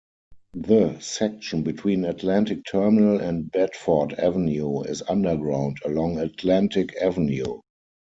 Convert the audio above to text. The section between Atlantic Terminal and Bedford Avenue is underground along Atlantic Avenue.